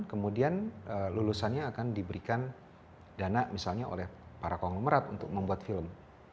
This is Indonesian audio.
kemudian lulusannya akan diberikan dana misalnya oleh para konglomerat untuk membuat film